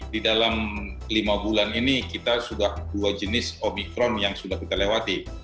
di dalam lima bulan ini kita sudah dua jenis omikron yang sudah kita lewati